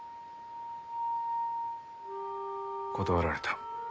断られた。